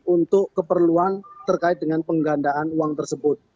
untuk keperluan terkait dengan penggandaan uang tersebut